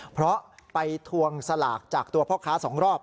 เพราะไปทวงสลากจากตัวพ่อค้า๒รอบ